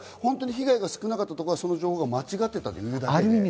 本当に被害が少なかったところはその情報が間違ったというだけで。